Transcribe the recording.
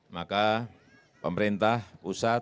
maka pemerintah pusat